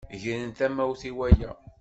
Gren tamawt i waya.